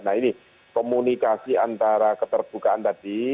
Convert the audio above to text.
nah ini komunikasi antara keterbukaan tadi